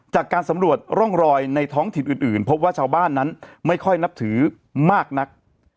จากการสำรวจร่องรอยในท้องถิ่นอื่นพบว่าชาวบ้านนั้นไม่ค่อยนับถือมากนัก